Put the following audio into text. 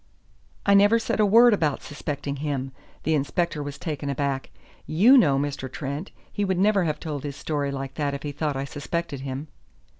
"I never said a word about suspecting him." The inspector was taken aback. "You know, Mr. Trent, he would never have told his story like that if he thought I suspected him."